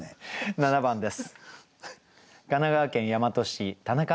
７番です。